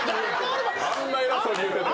あんな偉そうに言うてたやつ。